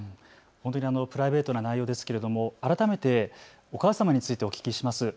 プライベートな内容ですけれども改めてお母様についてお聞きします。